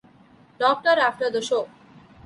Doctor after the show.